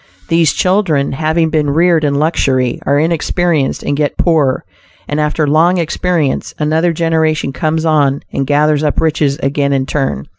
These children, having been reared in luxury, are inexperienced and get poor; and after long experience another generation comes on and gathers up riches again in turn.